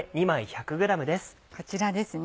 こちらですね